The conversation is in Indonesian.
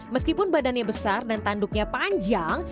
meskipun badannya besar dan tanduknya panjang